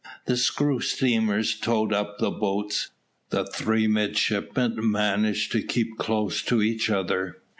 The screw steamers towed up the boats. The three midshipmen managed to keep close to each other.